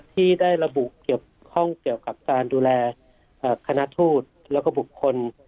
ที่ได้ระบุเกี่ยวข้องเกี่ยวกับการดูแลคณะทูตแล้วก็บุคคล